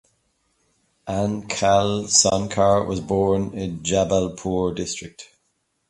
Anchal Sonkar was born in Jabalpur district.